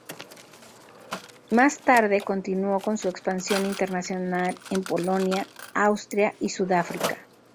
Más tarde, continuó con su expansión internacional en Polonia, Austria y Sudáfrica.